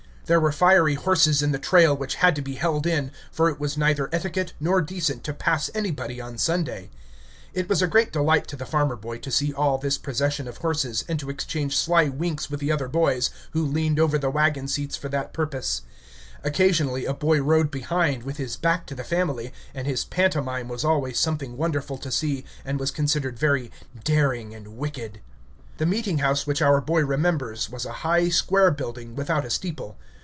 There were fiery horses in the trail which had to be held in, for it was neither etiquette nor decent to pass anybody on Sunday. It was a great delight to the farmer boy to see all this procession of horses, and to exchange sly winks with the other boys, who leaned over the wagon seats for that purpose. Occasionally a boy rode behind, with his back to the family, and his pantomime was always some thing wonderful to see, and was considered very daring and wicked. The meeting house which our boy remembers was a high, square building, without a steeple.